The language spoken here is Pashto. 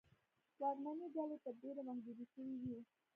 واکمنې ډلې تر ډېره محدودې شوې وې.